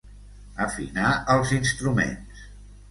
Afinar els instruments.